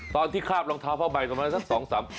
ตอนที่ข้าบรองเท้าผ้าใบสำหรับสัก๒๓ขวบ